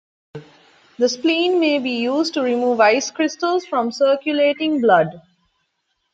The spleen may be used to remove ice crystals from circulating blood.